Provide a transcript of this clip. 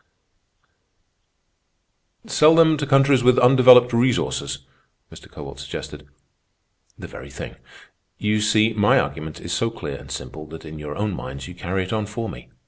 _" "Sell them to countries with undeveloped resources," Mr. Kowalt suggested. "The very thing. You see, my argument is so clear and simple that in your own minds you carry it on for me.